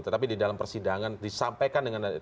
tetapi di dalam persidangan disampaikan dengan